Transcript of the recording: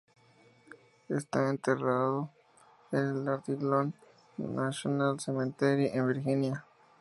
Está enterrado en el Arlington National Cemetery, en Virginia.